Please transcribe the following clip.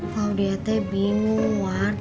klau di at bingung ward